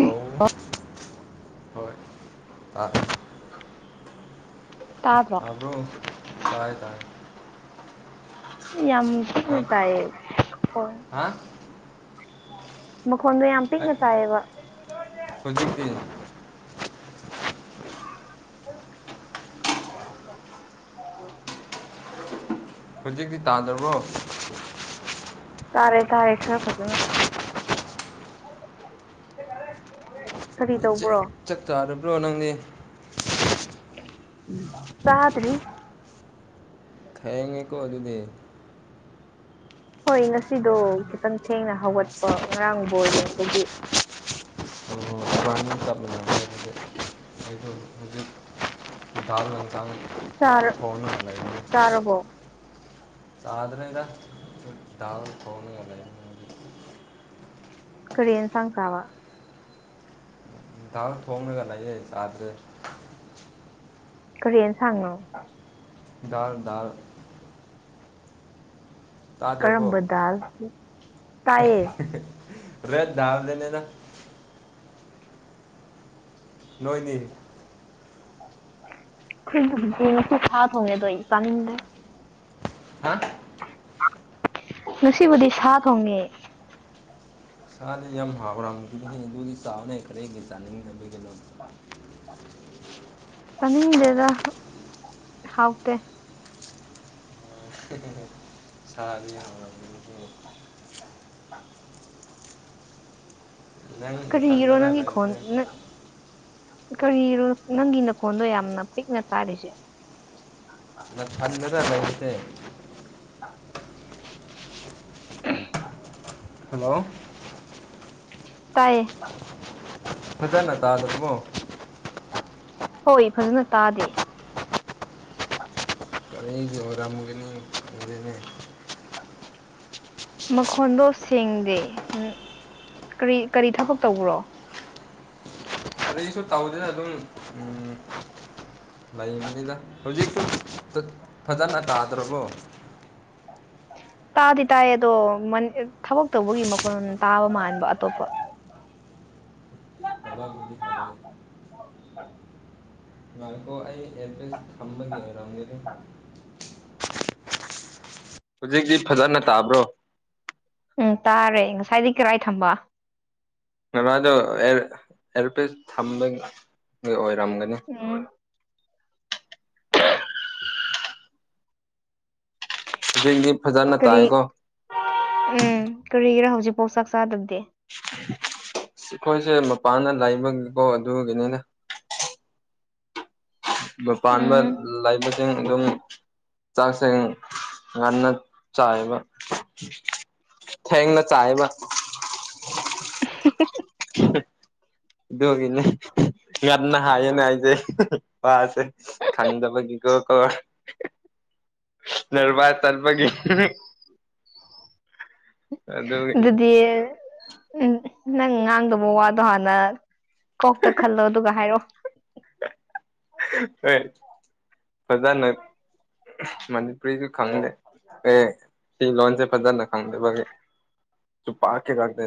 ꯂꯧ ꯍꯣꯏ ꯑ ꯇꯥꯗ꯭ꯔꯣ ꯇꯥꯏ ꯇꯥꯏ ꯌꯥꯝ ꯄꯤꯛꯅ ꯅꯪ ꯇꯥꯏꯌꯦ ꯐꯣꯟ ꯍꯥ ꯃꯈꯣꯟꯗꯨ ꯌꯥꯝ ꯑꯩ ꯄꯤꯛꯅ ꯇꯥꯏꯌꯦꯕ ꯍꯧꯖꯤꯛꯇꯤ [unintelligible] ꯍꯧꯖꯤꯛꯇꯤ ꯇꯥꯗ꯭ꯔꯕꯣ ꯇꯔꯦ ꯇꯔꯦ ꯈꯔ ꯐꯖꯅ ꯀꯔꯤ ꯇꯧꯕ꯭ꯔꯣ ꯆꯥꯛ ꯆꯥꯗꯕ꯭ꯔꯣ ꯅꯪꯅꯦ ꯇꯥꯗ꯭ꯔꯤ ꯊꯦꯡꯉꯦꯀꯣ ꯑꯗꯨꯗꯤ ꯍꯣꯏ ꯉꯁꯤꯗꯣ ꯈꯤꯇꯪ ꯊꯦꯡꯅ ꯍꯧꯒꯠꯄ ꯉꯔꯥꯡꯕꯣꯜ ꯌꯦꯡꯕꯒꯤ [unintelligible] [unintelligible] ꯆꯥꯔ ꯆꯥꯔꯕꯣ ꯆꯥꯗ꯭ꯔꯦꯗ [unintelligible] ꯀꯔꯤ ꯑꯦꯟꯁꯥꯡ ꯆꯥꯕ ꯗꯥꯜ ꯊꯣꯡꯔꯒ ꯂꯩꯌꯦ ꯆꯥꯗ꯭ꯔꯦ ꯀꯔꯤ ꯑꯦꯟꯁꯥꯡꯅꯣ ꯗꯥꯜ ꯗꯥꯜ ꯇꯥꯗ꯭ꯔꯕꯣ ꯀꯔꯝꯕ ꯗꯥꯜ ꯇꯥꯏꯌꯦ ꯔꯦꯠ ꯗꯥꯜꯗꯅꯦꯗ ꯅꯣꯏꯗꯤ ꯈꯣꯏꯒꯤꯕꯨꯗꯤ ꯍꯨꯏꯁꯥ ꯊꯣꯡꯉꯦ ꯗꯣ ꯑꯩ ꯆꯥꯅꯤꯡꯗꯦ ꯍꯥ ꯉꯁꯤꯕꯨꯗꯤ ꯁꯥ ꯊꯣꯡꯉꯦ ꯑꯥꯟꯗꯤ ꯌꯥꯝ ꯍꯥꯎꯔꯝꯒꯅꯤ ꯗꯨꯒꯤ ꯆꯥꯎꯅꯦ ꯀꯔꯤꯒꯤ ꯆꯥꯅꯤꯡꯗꯕꯒꯤꯅꯣ ꯆꯅꯤꯡꯗꯦꯗ ꯍꯥꯎꯇꯦ ꯁꯥꯗꯤ ꯍꯥꯎꯔꯝꯒꯅꯤ ꯅꯪ ꯀꯔꯤꯒꯤꯔꯣ ꯅꯊꯟꯗꯔ ꯅꯪꯒꯤ ꯈꯣꯟ ꯂꯩꯕꯁꯦ ꯅ ꯀꯔꯤꯔꯣ ꯅꯪꯒꯤ ꯅꯈꯣꯟꯗꯣ ꯌꯥꯝꯅ ꯄꯤꯛꯅ ꯇꯥꯔꯤꯁꯦ ꯅꯁꯟꯕꯗ ꯂꯣꯏꯈ꯭ꯔꯦ ꯍꯜꯂꯣ ꯇꯥꯏꯌꯦ ꯐꯖꯅ ꯇꯥꯗꯕꯣ ꯍꯣꯏ ꯐꯖꯅ ꯇꯥꯗꯦ ꯀꯔꯤꯒꯤ ꯑꯣꯏꯔꯝꯒꯅꯤ ꯈꯪꯗꯦꯅꯦ ꯃꯈꯣꯟꯗꯣ ꯁꯦꯡꯗꯦ ꯀꯔꯤ ꯀꯔꯤ ꯊꯕꯛ ꯇꯧꯕ꯭ꯔꯣ ꯀꯔꯤꯁꯨ ꯇꯧꯗꯦꯗ ꯑꯗꯨꯝ ꯎꯝ ꯂꯩꯕꯅꯤꯗ ꯍꯧꯖꯤꯛꯁꯨ ꯐꯥ ꯐꯖꯅ ꯇꯥꯗ꯭ꯔꯕꯣ ꯇꯥꯗꯤ ꯇꯥꯏ ꯑꯗꯣ ꯃꯟ ꯊꯕꯛ ꯇꯧꯕꯒꯤ ꯃꯈꯣꯟ ꯇꯥꯕ ꯃꯥꯟꯕ ꯑꯇꯣꯞꯄ꯫ [unintelligible] ꯉꯥꯏꯀꯣ ꯑꯩ ꯑꯦꯔꯄꯦꯁ ꯊꯝꯕꯒꯤ ꯑꯣꯏꯔꯝꯒꯦꯔ꯫ ꯍꯧꯖꯤꯛꯇꯤ ꯐꯖꯅ ꯇꯥꯕ꯭ꯔꯣ꯫ ꯎꯝ ꯇꯥꯔꯦ ꯉꯁꯥꯏꯗꯤ ꯀꯔꯥꯏ ꯊꯝꯕ꯫ ꯉꯔꯥꯗꯣ ꯑꯦꯔ ꯑꯦꯔꯄꯦꯁ ꯊꯝꯕꯒꯤ ꯑꯣꯏꯔꯝꯒꯅꯤ꯫ ꯎꯝ꯫ ꯍꯖꯤꯛꯇꯤ ꯐꯖꯅ ꯀꯔꯤ ꯇꯥꯌꯦꯒꯣ꯫ ꯎꯝ ꯀꯔꯤꯒꯤꯔꯥ ꯍꯧꯖꯤꯛ ꯄꯥꯎ ꯆꯥꯛ ꯆꯥꯗꯕꯗꯦ꯫ ꯑꯩꯈꯣꯏꯁꯦ ꯃꯄꯥꯟꯗ ꯂꯩꯕꯒꯤꯀꯣ ꯑꯗꯨꯒꯤꯅꯤꯅꯦ꯫ ꯃꯄꯥꯟꯕ ꯎꯝ ꯂꯥꯏꯕꯒꯤ__ ꯑꯗꯨꯝ ꯆꯥꯛꯁꯦꯡ ꯉꯟꯅ ꯆꯥꯏꯕ꯫ ꯊꯦꯡꯅ ꯆꯥꯏꯕ꯫ [unintelligible] [inaudible] ꯑꯗꯨꯒꯤꯅꯦ ꯉꯅ ꯍꯥꯏꯌꯦꯅ ꯑꯩꯖꯦ ꯋꯥꯁꯦ꯫ ꯊꯪꯗꯕꯒꯤꯒ ꯀꯣ꯫ ꯂꯔꯕꯥ ꯆꯜꯄꯒꯤ꯫ [inaudible] ꯑꯗꯨꯒꯤꯅꯤ ꯑꯗꯨꯗꯤ ꯎꯝ ꯅꯪ ꯉꯥꯡꯗꯕ ꯋꯥꯗꯣ ꯍꯥꯟꯅ ꯀꯣꯛꯇ ꯈꯜꯂꯣ ꯑꯗꯨꯒ ꯍꯥꯏꯔꯣꯑꯣ ꯍꯣꯏ ꯐꯖꯅ ꯃꯅꯤꯄꯨꯔꯤꯁꯨ ꯈꯪꯗꯦ ꯑꯦ ꯁꯤ ꯂꯣꯟꯣꯟꯁꯦ ꯐꯖꯥꯅ ꯈꯥꯎꯗꯦꯒꯦ ꯄꯥꯛꯀꯦ ꯀꯥꯛꯇꯇ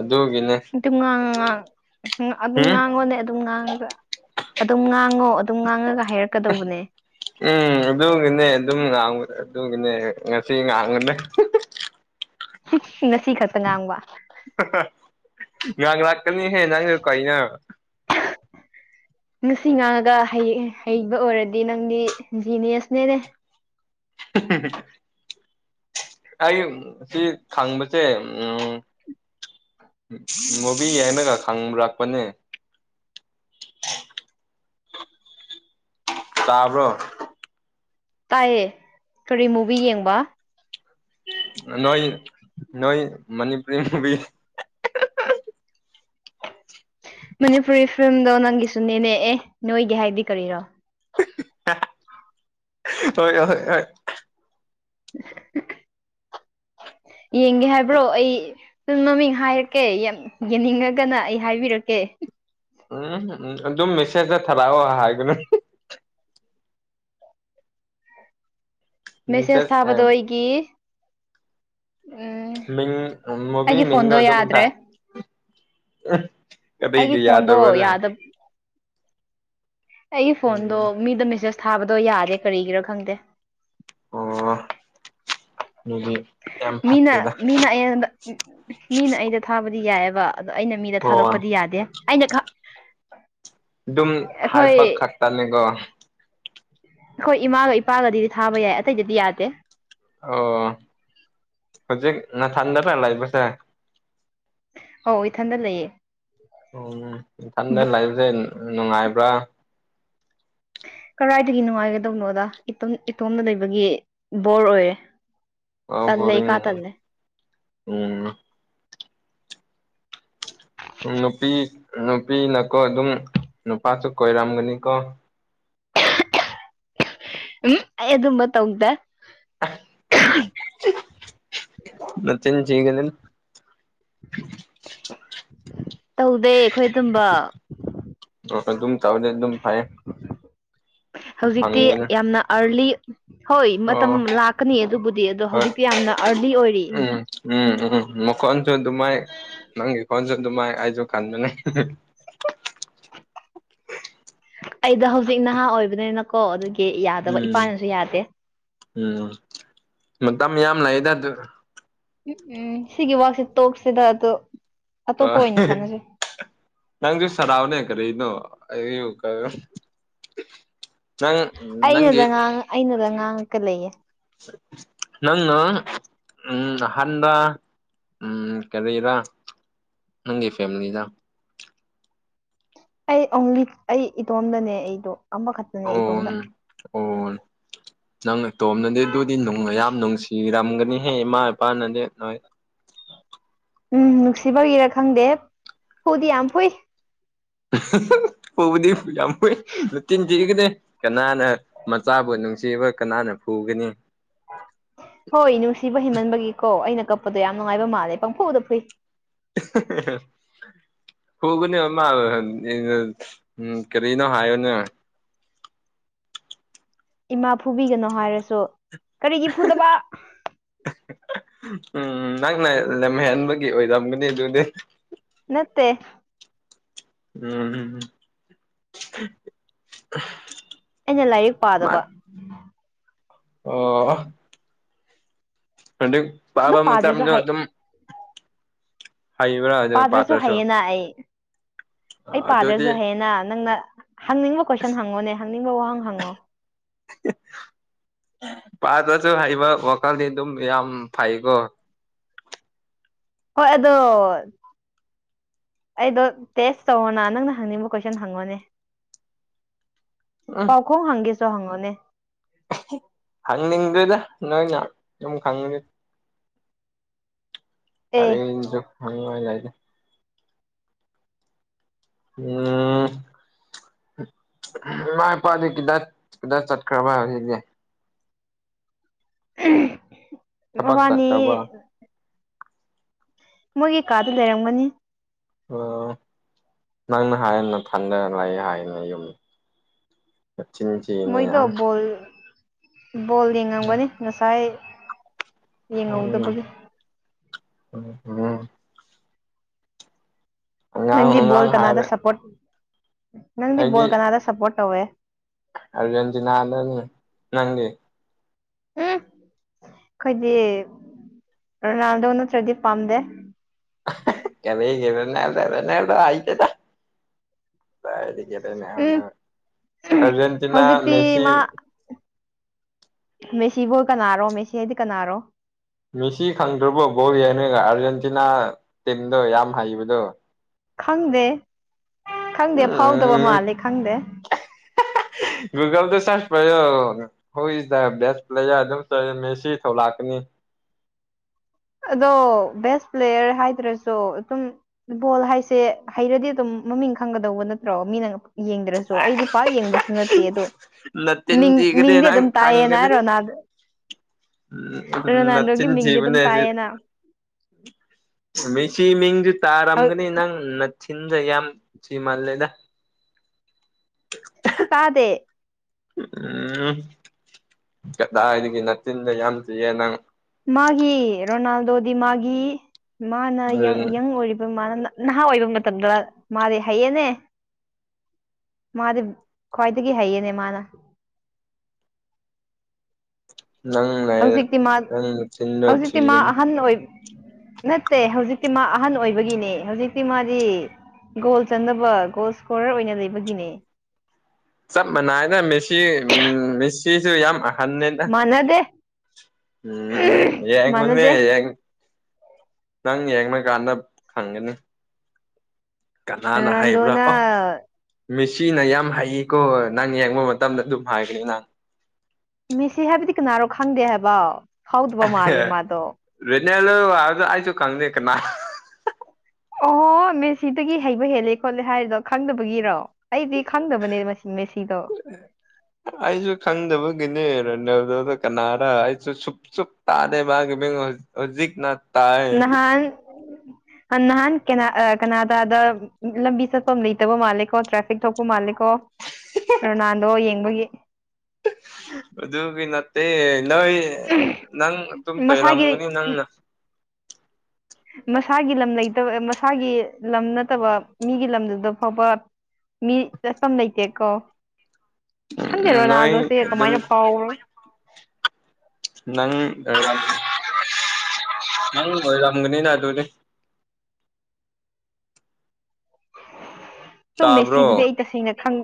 ꯑꯗꯨꯒꯤꯅꯦ ꯅꯨꯡꯇꯤꯝ ꯉꯥꯡꯉ ꯉꯥꯡꯉ ꯑꯗꯨꯝ ꯎꯝ ꯉꯥꯡꯉꯣꯅꯦ ꯑꯗꯨꯝ ꯉꯥꯡꯉꯒ ꯑꯗꯨꯝ ꯉꯥꯡꯉꯣ ꯑꯗꯨꯝ ꯉꯥꯡꯉꯒ ꯍꯥꯏꯔꯛꯀꯗꯧꯕꯅꯦ ꯎꯝ ꯑꯗꯨꯒꯤꯅꯦ ꯑꯗꯨꯝ ꯉꯥꯡꯉ ꯑꯗꯨꯒꯤꯅꯦ ꯉꯁꯤ ꯉꯥꯡꯉꯨꯗꯦ ꯉꯁꯤ ꯈꯛꯇ ꯉꯥꯡꯕ ꯉꯥꯡ ꯂꯥꯛꯀꯅꯤꯍꯦ ꯅꯪꯁꯨ ꯀꯩꯅ [inaudible] ꯉꯁꯤ ꯉꯥꯡꯉꯒ ꯍꯩꯕ ꯑꯣꯏꯔꯗꯤ ꯅꯪꯗꯤ ꯖꯤꯅꯦꯁꯅꯦꯅꯦ ꯍ ꯍ ꯑꯩ ꯁꯤ ꯊꯥꯡꯕ ꯁꯦ ꯎꯝ ꯃꯨꯕꯤ ꯍꯥꯏꯅꯒ ꯈꯪꯔꯛꯄꯅꯦ ꯇꯥꯕꯣ ꯇꯥꯏꯌꯦ ꯀꯔꯤ ꯃꯨꯚꯤ ꯌꯦꯡꯕ ꯅꯣꯏ ꯅꯣꯏ ꯃꯅꯤꯄꯨꯔꯤꯨꯕꯤ ꯃꯅꯤꯄꯨꯔꯤ ꯐꯤꯂꯝꯗꯣ ꯅꯪꯒꯤꯁꯨ ꯅꯅꯦꯛꯑꯦ ꯅꯣꯏꯒꯤ ꯍꯥꯏꯗꯤ ꯀꯔꯤꯔꯣ ꯍꯣꯏ ꯍꯣꯏ ꯍꯣꯏ ꯌꯦꯡꯒꯦ ꯍꯥꯏꯕ꯭ꯔꯣ ꯑꯩ ꯑꯗꯨꯨꯝ ꯃꯃꯤꯡ ꯍꯥꯏꯔꯛꯀꯦ ꯌꯥꯝ ꯌꯦꯡꯅꯤꯡꯉꯒꯅ ꯑꯩ ꯍꯥꯏꯕꯤꯔꯛꯀꯦ ꯎꯝ ꯎꯝ ꯑꯗꯨ ꯑꯗꯨꯝ ꯃꯦꯁꯦꯖ ꯆ ꯊꯔꯛꯑꯣ ꯍꯥꯏꯒꯅ ꯃꯦꯁꯦꯁ ꯃꯦꯁꯦꯖ ꯊꯥꯕꯗꯣ ꯑꯩꯒꯤ ꯎꯝ ꯃꯤ ꯃꯕꯤ ꯑꯩꯒꯤ ꯃꯤꯗꯣ ꯐꯣꯟꯗꯣ ꯇꯣꯝ ꯇ ꯌꯥꯗ꯭ꯔꯦ ꯑꯩꯒꯤ ꯀꯕꯤꯩ ꯌꯥꯗꯧꯔ ꯐꯣꯟꯗꯣ ꯋꯥꯖ ꯌꯥꯗꯕ ꯑꯩꯒꯤ ꯐꯣꯟꯗꯣ ꯃꯤꯗ ꯃꯦꯁꯦꯁ ꯊꯥꯕꯗꯣ ꯌꯥꯗꯦ ꯀꯔꯤꯒꯤꯔꯥ ꯈꯪꯗꯦ ꯑꯣ ꯅꯣꯏꯒꯤ ꯃꯤꯅ ꯃꯤꯅ ꯑꯩꯉꯣꯟꯗ ꯃꯤꯅ ꯑꯩꯗ ꯊꯥꯕꯗꯤ ꯌꯥꯏꯌꯦꯕ ꯑꯗꯣ ꯑꯩꯅ ꯃꯤꯗ ꯑꯣ ꯊꯥꯗꯣꯛꯄꯗꯤ ꯌꯥꯗꯦ ꯑꯩꯅ ꯈꯛ ꯑꯗꯨꯝ ꯍꯥꯏꯄꯥ ꯈꯛꯇꯅꯤꯒꯣ ꯑꯩꯈꯣꯏ ꯏꯃꯥꯒ ꯏꯄꯥꯒꯗꯗꯤ ꯊꯥꯕ ꯌꯥꯏ ꯑꯇꯩꯗꯗꯤ ꯌꯥꯗꯦ ꯑꯣ ꯍꯧꯖꯤꯛ ꯅꯊꯟꯅꯇ ꯂꯩꯕꯁꯦ ꯑꯣ ꯏꯊꯟꯗ ꯂꯩꯌꯦ ꯑꯣ ꯎꯝ ꯏꯊꯟꯗ ꯂꯩꯕꯁꯦ ꯅꯨꯡꯉꯥꯏꯕ꯭ꯔꯥ ꯀꯗꯥꯥꯏꯗꯒꯤ ꯅꯨꯡꯉꯥꯏꯒꯗꯧꯅꯣꯗ ꯏꯇꯣꯝ ꯏꯇꯣꯝꯇ ꯂꯩꯕꯒꯤ ꯕꯣꯔ ꯑꯣꯏꯌꯦ ꯑꯣ [unintelligible] [inaudible] ꯅꯨꯄꯤ ꯅꯨꯄꯤꯅꯀꯣ ꯑꯗꯨꯝ ꯅꯨꯄꯥꯁꯨ ꯀꯣꯏꯔꯝꯒꯅꯤꯀꯣ ꯎꯝ ꯑꯩ ꯑꯗꯨꯝꯕ ꯇꯧꯗꯦ ꯑꯁ ꯅꯆꯤꯟ ꯊꯤꯒꯅꯨ ꯇꯧꯗꯦ ꯑꯩꯈꯣꯏ ꯑꯗꯨꯝꯕ ꯑꯗꯨꯝ ꯇꯧꯔꯗꯤ ꯑꯗꯨꯝ ꯐꯩ ꯍꯧꯖꯤꯛꯇꯤ ꯐꯪꯕꯅꯦ ꯌꯥꯝꯅ ꯑꯥꯔꯂꯤ ꯍꯣꯏ ꯃꯇꯝ ꯑꯣ ꯂꯥꯛꯀꯅꯤ ꯑꯗꯨꯕꯨꯗꯤ ꯑꯗꯣ ꯍꯣꯏ ꯍꯧꯖꯤꯛꯇꯤ ꯌꯥꯝꯅ ꯑꯥꯔꯂꯤ ꯑꯣꯏꯔꯤ ꯎꯝ ꯎꯝ ꯎꯝ ꯃꯈꯣꯟꯁꯨ ꯑꯗꯨꯃꯥꯏ ꯅꯪꯒꯤ ꯈꯣꯟꯖꯦꯜꯗꯨ ꯑꯗꯨꯃꯥꯏ ꯑꯩꯁꯨ ꯈꯟꯕꯅꯦ ꯑꯩꯗꯣ ꯍꯧꯖꯤꯛ ꯅꯍꯥ ꯑꯣꯏꯕꯅꯤꯅꯀꯣ ꯑꯗꯨꯒꯤ ꯌꯥꯗꯕ ꯎꯝ ꯏꯄꯥꯅꯁꯨ ꯌꯥꯗꯦ ꯎꯝ ꯃꯇꯝ ꯌꯥꯝ ꯂꯩꯗ ꯑꯗꯨ ꯎꯝ ꯎꯝ ꯁꯤꯒꯤ ꯋꯥꯥꯁꯤ ꯇꯣꯛꯁꯤꯗ ꯑꯗꯨ ꯑꯥ ꯅꯪꯁꯨ ꯁꯗꯥꯎꯅꯦ ꯀꯔꯤꯅꯣ ꯑꯩꯕꯨ ꯀꯔꯝ ꯆꯉꯛ ꯑꯩꯅꯗ ꯉꯥꯡ ꯑꯩꯅ ꯉꯥꯡꯉꯀ ꯂꯩꯌꯦ ꯅꯪꯅ ꯎꯝ ꯅꯍꯥꯟꯗ ꯎꯝ ꯀꯔꯤꯔꯥ ꯅꯪꯒꯤ ꯐꯦꯃꯤꯂꯤꯗꯣ ꯑꯩ ꯑꯣꯡꯂꯤ ꯑꯩ ꯏꯇꯣꯝꯗꯅꯦ ꯑꯩꯗꯣ ꯑꯃꯈꯛꯇ ꯑꯣ [inaudible] ꯅꯪ ꯅꯇꯣꯝꯅꯗꯤ ꯑꯗꯨꯗꯤ ꯅꯨꯡ ꯌꯥꯝ ꯅꯨꯡꯁꯤꯔꯝꯒꯅꯤꯍꯦ ꯏꯃꯥ ꯏꯄꯥꯅꯗꯤ ꯅꯣꯏ ꯎꯝ ꯅꯨꯡꯁꯤꯕꯒꯤꯔꯥ ꯈꯪꯗꯦ ꯐꯨꯗꯤ ꯌꯥꯝ ꯐꯨꯏ ꯐꯨꯕꯗꯤ ꯌꯥꯝ ꯐꯨꯏ ꯅꯆꯤꯟ ꯊꯤꯒꯅꯦ ꯀꯅꯥꯅ ꯃꯆꯥꯕꯨ ꯅꯨꯡꯁꯤꯕ ꯀꯅꯥꯅ ꯐꯨꯒꯅꯤ ꯍꯣꯏ ꯅꯨꯡꯁꯤꯕ ꯍꯦꯟꯃꯟꯕꯒꯤꯀꯣ ꯑꯩꯅ ꯀꯞꯄꯗꯣ ꯌꯥꯝ ꯅꯨꯡꯉꯥꯏꯕ ꯃꯥꯜꯂꯦ ꯄꯪꯐꯨꯗ ꯐꯨꯏ [inaudible] ꯐꯨꯒꯅꯦ ꯃꯥ ꯀꯔꯤꯅꯣ ꯍꯥꯏꯌꯣꯅ ꯏꯃꯥ ꯐꯨꯕꯤꯒꯅꯣ ꯍꯥꯏꯔꯁꯨ ꯀꯔꯤꯒꯤ ꯐꯨꯗꯕ ꯎꯝ ꯅꯪꯅ ꯂꯝꯍꯦꯟꯕꯒꯤ ꯑꯣꯏꯔꯝꯒꯅꯤ ꯑꯗꯨꯗꯤ ꯅꯠꯇꯦ ꯎꯝ ꯑꯩꯅ ꯂꯥꯏꯔꯤꯛ ꯃꯥ ꯄꯥꯗꯕ ꯑꯣ ꯑ ꯑꯗꯨ ꯕꯥ ꯄꯥꯗ꯭ꯔꯁꯨ ꯃꯆꯥꯅ ꯍꯩ ꯑꯗꯨꯝ ꯍꯥꯏꯕ꯭ꯔ ꯄꯥꯗ꯭ꯔꯁꯨ ꯍꯩꯌꯦꯅ ꯑꯩ ꯑꯩ ꯑꯗꯨꯗꯤ ꯄꯥꯗ꯭ꯔꯁꯨ ꯍꯌꯦꯅ ꯅꯪꯅ ꯍꯪꯅꯤꯡꯕ ꯀꯣꯏꯁꯟ ꯍꯪꯉꯣꯅꯦ ꯍꯪꯅꯤꯡꯕ ꯋꯥꯍꯪ ꯍꯪꯉꯣ ꯄꯥꯠꯇꯁꯨ ꯍꯩꯕ ꯋꯥꯈꯜꯗꯤ ꯑꯗꯨꯝ ꯌꯥꯝ ꯐꯩꯀꯣ ꯍꯣꯏ ꯑꯗꯣ ꯑꯩꯗꯣ ꯇꯦꯁ ꯇꯧꯔꯣꯅ ꯅꯪꯅ ꯍꯪꯅꯤꯡꯕ ꯀꯣꯏꯁꯟ ꯍꯪꯉꯣꯅꯦ ꯄꯥꯎꯈꯣꯡ ꯍꯪꯒꯦꯁꯨ ꯍꯪꯉꯨꯅꯦ ꯍꯪꯅꯤꯡꯗꯣꯏꯗ ꯅꯣꯏ ꯉ ꯑꯃꯨꯛ ꯈꯪꯗꯦ ꯑꯦ ꯑꯔꯤꯁꯨ ꯍꯪꯉꯗ ꯎꯝ ꯃꯥꯏ ꯏꯄꯥꯗꯤ ꯈꯤꯇ ꯈꯤꯇ ꯆꯠꯈ꯭ꯔꯕ ꯍꯥꯏꯕꯁꯤꯗꯤ ꯊꯕꯛ ꯃꯕꯥꯅꯤ ꯆꯠꯈ꯭ꯔꯕ ꯃꯣꯏꯒꯤ ꯀꯥꯗ ꯂꯩꯔꯝꯒꯅꯤ ꯑꯣ ꯅꯪꯅ ꯍꯥꯏꯌꯦꯅ ꯊꯟꯗꯔ ꯂꯩ ꯍꯥꯏꯅꯦ ꯌꯨꯝ ꯀꯆ ꯃꯣꯏꯗꯣ ꯆꯅ ꯕꯣꯜ ꯕꯣꯜ ꯌꯦꯡꯉꯝꯒꯅꯤ ꯉꯁꯥꯏ ꯌꯦꯡꯍꯧꯗꯕꯒꯤ ꯎ ꯎꯝ ꯑꯉꯥꯡ ꯅꯪꯗꯤ ꯣꯜ ꯑꯉꯥꯡ ꯀꯅꯥꯗ ꯍꯥꯏꯔꯦ ꯁꯄꯣꯔꯠ ꯅꯪꯗꯤ ꯣꯜ ꯀꯅꯥꯗ ꯁꯄꯣꯔꯠ ꯇꯧꯋꯦ ꯑꯔꯖꯦꯟꯇꯤꯅꯥꯅ ꯅꯪꯗꯤ ꯎꯝ ꯑꯩꯈꯣꯏꯗꯤ ꯔꯣꯅꯥꯜꯗꯣ ꯅꯠꯇ꯭ꯔꯗꯤ ꯄꯥꯝꯗꯦ ꯀꯗꯩꯒꯤꯦ ꯔꯅꯥꯏꯜꯗꯣ ꯑꯦꯅꯥꯏꯜꯗꯣ ꯍꯥꯏꯇꯦꯗ ꯎꯝ ꯑꯔꯖꯦꯟꯇꯤꯅꯥ ꯍꯧꯖꯤꯛꯇꯤ ꯃꯦꯁꯤ ꯃꯦꯁꯤꯕꯨꯣꯏ ꯀꯅꯥꯔꯣ ꯃꯦꯁꯤ ꯍꯥꯏꯗꯤ ꯀꯅꯥꯔꯣ ꯃꯤꯁꯤ ꯈꯪꯗ꯭ꯔꯕꯣ ꯕꯣ ꯍꯥꯏꯅꯒ ꯑꯥꯔꯖꯦꯟꯇꯤꯅꯥ ꯇꯤꯝꯗꯣ ꯌꯥꯝ ꯍꯩꯕꯗꯣ ꯈꯪꯗꯦ ꯈꯪꯗꯦ ꯐꯥꯎꯗꯕ ꯎꯝ ꯃꯥꯜꯂꯦ ꯈꯪꯗꯦ ꯨꯒꯜ ꯇ ꯁꯔꯁ ꯄ ꯍꯣꯏ ꯏꯁ ꯗ ꯕꯦꯁ ꯄ꯭ꯂꯦꯌꯔ ꯑꯗꯨꯝ ꯆꯧꯦ ꯃꯦꯁꯤ ꯊꯧꯂꯥꯛꯀꯅꯤ ꯑꯗꯣ ꯕꯦꯁ ꯄ꯭ꯂꯦꯌꯔ ꯍꯥꯏꯗ꯭ꯔꯁꯨ ꯑꯗꯨꯝ ꯐꯨꯠꯕꯣꯜ ꯍꯥꯏꯁꯦ ꯍꯩꯔꯗꯤ ꯑꯗꯨꯝ ꯃꯃꯤꯡ ꯈꯪꯒꯗꯧꯕ ꯅꯠꯇ꯭ꯔꯣ ꯃꯤꯅ ꯌꯦꯡꯗ꯭ꯔꯁꯨ ꯑꯩꯗꯤ ꯄꯥꯛ ꯌꯦꯡꯕꯁꯨ ꯅꯠꯇꯦ ꯑꯗꯣ ꯃꯤꯡ ꯅꯠꯆꯤꯟꯊꯤꯒꯅꯤ ꯃꯤꯡꯗꯤ ꯅꯪ ꯑꯗꯨꯝ ꯇꯥꯏꯌꯦꯅ ꯈꯪꯒꯅꯤ ꯔꯣꯅꯥꯜꯗꯣ ꯎꯝ ꯔꯣꯅꯥꯜꯗꯣꯒꯤ ꯃꯤꯡꯗꯤ ꯑꯗꯨꯝ ꯅꯆꯤꯟꯊꯤꯕꯅꯤꯁꯤ ꯇꯥꯏꯌꯦꯅ ꯃꯦꯁꯤ ꯃꯤꯡꯗꯤ ꯇꯥꯔꯝꯒꯅꯤ ꯅꯪ ꯅꯆꯤꯟꯗꯣ ꯌꯥꯝ ꯊꯤꯃꯜꯂꯦꯗ ꯇꯥꯗꯦ ꯎꯝ ꯀꯗꯥꯏꯗꯒꯤ ꯅꯆꯤꯟꯗꯨ ꯌꯥꯝ ꯊꯤꯌꯦ ꯅꯪ ꯃꯥꯒꯤ ꯔꯣꯅꯥꯜꯗꯣꯗꯤ ꯃꯥꯒꯤ ꯃꯥꯅ ꯍꯣꯔꯦꯟ ꯌꯪ ꯑꯣꯏꯔꯤꯕ ꯃꯥ ꯅꯍꯥ ꯑꯣꯏꯕ ꯃꯇꯝꯗ ꯃꯥꯗꯤ ꯍꯩꯌꯦꯅꯦ ꯃꯥꯗꯤ ꯈꯨ꯭ꯋꯥꯏꯗꯒꯤ ꯍꯥꯏꯌꯦꯅꯦ ꯃꯥꯅ ꯅꯪ ꯂꯩꯔ ꯍꯧꯖꯤꯛꯇꯤ ꯃꯥ ꯅꯪ ꯅꯆꯤꯟꯗꯣ ꯍꯧꯖꯤꯛꯇꯤ ꯃꯥ ꯊꯤꯒꯅꯤ ꯑꯍꯟ ꯑꯣꯏ ꯅꯠꯇꯦ ꯍꯧꯖꯤꯛꯇꯤ ꯃꯥ ꯑꯍꯟ ꯑꯣꯏꯕꯒꯤꯅꯦ ꯍꯧꯖꯤꯛꯇꯤ ꯃꯥꯗꯤ ꯒꯣꯜ ꯆꯟꯅꯕ ꯒꯣꯜ ꯁ꯭ꯀꯣꯔꯔ ꯑꯣꯏꯅ ꯂꯩꯕꯒꯤꯅꯦ ꯆꯞ ꯃꯥꯟꯅꯩꯗ ꯃꯦꯁꯤ ꯃꯦꯁꯤꯁꯨ ꯌꯥꯝ ꯍꯟꯅꯦꯗ ꯃꯥꯟꯅꯗꯦ ꯎꯝ ꯌꯦꯡꯉꯨꯅꯦ ꯃꯥꯟꯅꯗꯦ ꯌꯦꯡ ꯅꯪ ꯌꯦꯡꯂꯀꯥꯟꯗ ꯈꯪꯒꯅꯤ ꯀꯅꯥꯅ ꯍꯥꯏꯕ꯭ꯔꯥ ꯔꯣꯅꯥꯜꯗꯣꯅ ꯑꯣ ꯃꯦꯁꯤꯅ ꯌꯥꯝ ꯍꯩꯀꯣ ꯅꯪ ꯌꯦꯡꯕ ꯃꯇꯝꯗ ꯑꯗꯨꯝ ꯍꯥꯏꯒꯅꯤ ꯅꯪ ꯃꯦꯁꯤ ꯍꯥꯏꯕꯗꯤ ꯀꯅꯥꯔꯣ ꯈꯪꯗꯦ ꯍꯥꯏꯕ ꯐꯥꯎꯗꯕ ꯑꯦꯍꯦ ꯃꯥꯜꯂꯦ ꯃꯥꯗꯣ ꯔꯣꯅꯥꯜꯗꯣ ꯍꯥꯏꯕꯗꯣ ꯑꯩꯁꯨ ꯈꯪꯗꯦ ꯀꯅꯥ ꯑꯣꯍꯣ ꯃꯦꯁꯤꯗꯒꯤ ꯍꯩꯕ ꯍꯦꯜꯂꯦ ꯈꯣꯠꯂꯦ ꯍꯥꯏꯔꯤꯗꯣ ꯈꯪꯗꯕꯒꯤꯔꯣ ꯑꯩꯗꯤ ꯈꯪꯗꯕꯅꯦ ꯃꯁꯤ ꯃꯦꯁꯤꯗꯣ ꯑꯩꯁꯨ ꯈꯪꯗꯕꯒꯤꯅꯦ ꯔꯣꯅꯥꯜꯗꯣꯗꯣ ꯀꯅꯥꯔ ꯑꯩꯁꯨ ꯁꯨꯛ ꯁꯨꯛꯇꯗꯦ ꯃꯥꯒꯤ ꯃꯤꯡ ꯍꯧꯖꯤꯛꯅ ꯇꯥꯏ ꯅꯍꯥꯟ ꯅꯍꯥꯟ ꯀꯅꯥ ꯀꯅꯥꯗꯗ ꯂꯝꯕꯤ ꯆꯠꯐꯝ ꯂꯩꯇꯕ ꯃꯥꯜꯂꯦꯀꯣ ꯇ꯭ꯔꯥꯐꯤꯛ ꯊꯣꯛꯄ ꯃꯥꯜꯂꯦ ꯀꯣ ꯔꯣꯅꯥꯜꯗꯣ ꯌꯦꯡꯕꯒꯤ ꯑꯗꯨꯒꯤ ꯅꯠꯇꯦ ꯅꯣꯏ ꯅꯪ ꯑꯗꯨꯝ ꯃꯁꯥꯒꯤ ꯇꯣꯏꯔꯝꯒꯅꯤ ꯅꯪꯅ ꯃꯁꯥꯒꯤ ꯂꯝ ꯂꯩꯇꯕ ꯃꯁꯥꯒꯤ ꯂꯝ ꯅꯠꯇꯕ ꯃꯤꯒꯤ ꯂꯝꯗꯨꯗ ꯐꯥꯎꯕ ꯃꯤ ꯆꯠꯐꯝ ꯂꯩꯇꯦꯀꯣ ꯈꯪꯗꯦ ꯅꯣꯏ ꯔꯣꯅꯥꯜꯗꯣꯁꯦ ꯑꯗꯨꯝ ꯀꯃꯥꯏꯅ ꯐꯥꯎꯕ꯭ꯔꯣ ꯅꯪ [unintelligible] ꯅꯪ ꯑꯣꯏꯔꯝꯒꯅꯤꯅ ꯑꯗꯨꯗꯤ ꯗꯣ ꯇꯥꯕ꯭ꯔꯣ ꯃꯦꯁꯤꯗꯨꯗꯤ ꯑꯩ ꯇꯁꯦꯡꯅ ꯈꯪ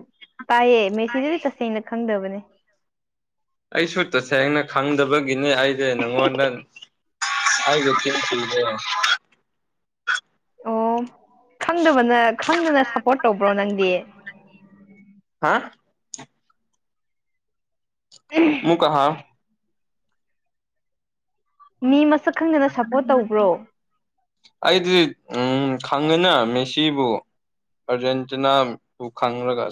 ꯇꯥꯏꯌꯦ ꯃꯦꯁꯤꯗꯨꯗꯤ ꯇꯁꯦꯡꯅ ꯈꯪꯗꯕꯅꯦ ꯑꯩꯁꯨ ꯇꯁꯦꯡꯅ ꯈꯪꯗꯕꯒꯤꯅꯦ ꯑꯩꯁꯦ ꯅꯪꯉꯣꯟꯗ [unintelligible] ꯑꯣ ꯈꯪꯗꯕꯅ ꯈꯪꯗꯅ ꯁꯞꯄꯣꯔꯠ ꯇꯧꯕ꯭ꯔꯣ ꯅꯪꯗꯤ ꯍꯥ ꯎꯝ ꯑꯃꯨꯛꯀ ꯍꯥꯏꯌꯣ ꯃꯤ ꯃꯁꯛ ꯈꯪꯗꯅ ꯁꯞꯄꯣꯔꯠ ꯇꯧꯕ꯭ꯔꯣ ꯑꯩꯗꯤ ꯎꯝ ꯈꯪꯉꯦꯅ ꯃꯦꯁꯤꯕꯨ ꯑꯔꯖꯦꯟꯇꯤꯅꯥ ꯕꯨ ꯈꯪꯂꯒ